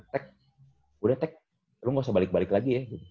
tek udah tek lo gak usah balik balik lagi ya